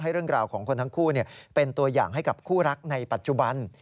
เรื่องราวของคนทั้งคู่เป็นตัวอย่างให้กับคู่รักในปัจจุบัน